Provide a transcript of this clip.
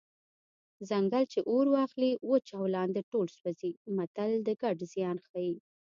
ځنګل چې اور واخلي وچ او لانده ټول سوځي متل د ګډ زیان ښيي